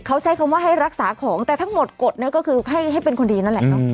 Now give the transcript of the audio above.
เขาใช้คำว่าให้รักษาของแต่ทั้งหมดกฎเนี่ยก็คือให้เป็นคนดีนั่นแหละเนอะ